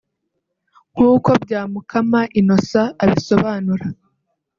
nkuko Byamukama Innocent abisobanura